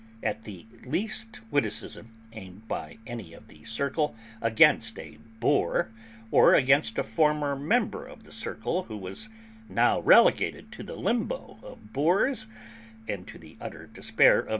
At the least witticism aimed by any of the circle against a 'bore,' or against a former member of the circle who was now relegated to the limbo of 'bores' and to the utter despair of M.